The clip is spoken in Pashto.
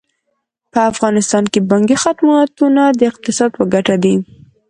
په افغانستان کې بانکي خدمتونه د اقتصاد په ګټه دي.